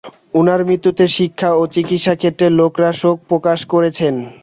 উনার মৃত্যুতে শিক্ষা ও চিকিৎসাক্ষেত্রের লোকেরা শোক প্রকাশ করেছেন।